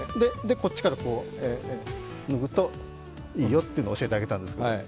こっちから脱ぐといいよというのを教えてあげたんですけれども。